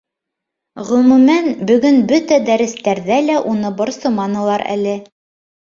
Ғөмүмән, бөгөн бөтә дәрестәрҙә лә уны борсоманылар әле.